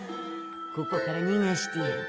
ここからにがしてやる。